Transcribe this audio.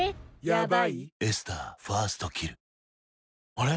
あれ？